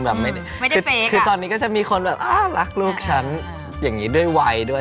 แบบไม่ได้คือตอนนี้ก็จะมีคนแบบอ้าวรักลูกฉันอย่างนี้ด้วยวัยด้วย